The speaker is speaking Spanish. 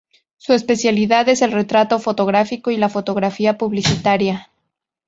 Su especialidad es el Retrato fotográfico y la Fotografía publicitaria.